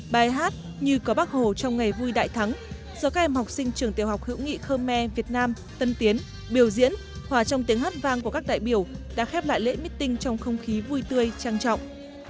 bài hát như có bác hồ trong ngày vui đại thắng do các em học sinh trường tiểu học hữu nghị khơ me việt nam tân tiến biểu diễn hòa trong tiếng hát vang của các đại biểu đã khép lại lễ meeting trong không khí vui tươi trang trọng